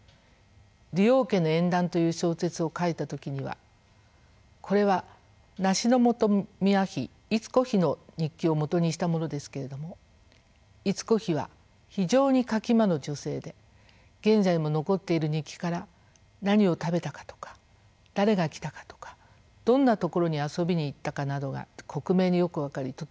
「李王家の縁談」という小説を書いた時にはこれは梨本宮妃伊都子妃の日記を基にしたものですけれども伊都子妃は非常に書き魔の女性で現在も残っている日記から何を食べたかとか誰が来たかとかどんな所に遊びに行ったかなどが克明によく分かりとても面白かったです。